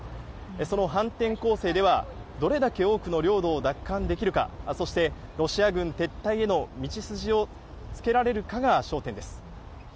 その反転攻勢ではどれだけ多くの領土を奪還できるかそして、ロシア軍撤退への道筋をつけられるかが焦点です。